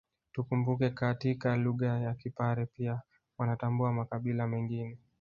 Tukumbuke katika lugha ya Kipare pia wanatambua makabila mengine